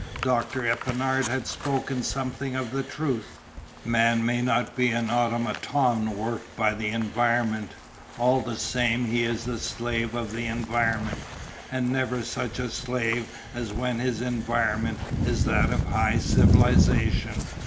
Doctor Epinard had spoken something of the truth. Man may not be an automaton worked by environment, all the same he is the slave of environment, and never such a slave as when his environment is that of high Civilisation.